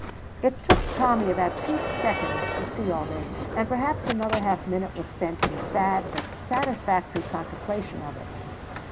It took Tommy about two seconds to see all this, and perhaps another half minute was spent in sad but satisfactory contemplation of it.